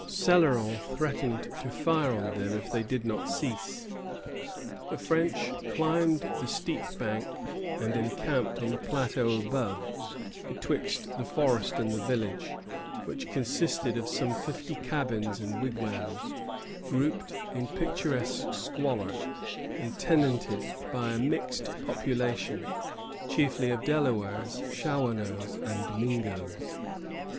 Céloron threatened to fire on them if they did not cease. The French climbed the steep bank, and encamped on the plateau above, betwixt the forest and the village, which consisted of some fifty cabins and wigwams, grouped in picturesque squalor, and tenanted by a mixed population, chiefly of Delawares, Shawanoes, and Mingoes.